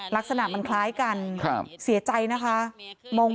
ลักษณะมันคล้ายกันเสียใจนะคะมองว่าแม่พรศรี